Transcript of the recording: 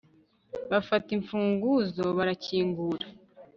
bafata imfunguzo, barakingura